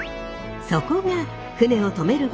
そこが船を泊める場所